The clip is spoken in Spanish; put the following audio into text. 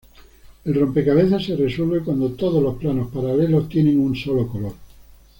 El rompecabezas se resuelve cuando todos los planos paralelos tienen un solo color.